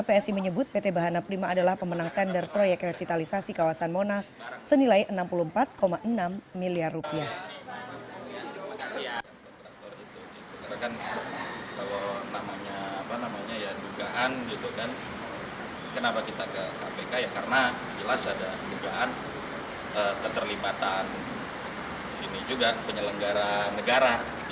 melalui rilisnya psi menyebut pt bahana prima adalah pemenang tender proyek revitalisasi kawasan monas senilai rp enam puluh empat enam miliar